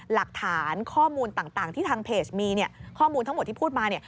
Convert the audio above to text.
หลักฐานข้อมูลต่างที่ทางเพจมีข้อมูลทั้งหมดที่พูดมา